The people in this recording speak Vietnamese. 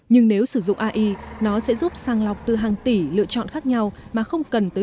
nhưng nếu sử dụng ai nó sẽ giúp sàng lọc từ hàng tỷ lựa chọn khác nhau mà không cần tới sự sử dụng